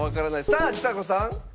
さあちさ子さん。